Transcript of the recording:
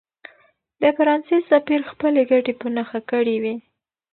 د فرانسې سفیر خپلې ګټې په نښه کړې وې.